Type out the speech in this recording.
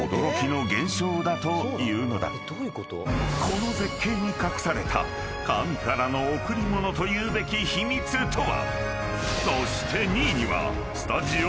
［この絶景に隠された神からの贈り物というべき秘密とは？］